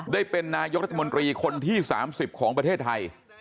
ได้เป็นนายกรัฐมนตรีคนที่๓๐ของประเทศไทย